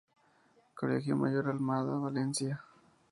Colegio Mayor Alameda, Valencia.